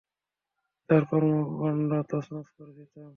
তার কর্মকাণ্ড তছনছ করে দিতাম।